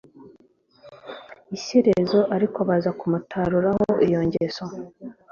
ishyerezo ariko baza kumutaruraho iyo ngeso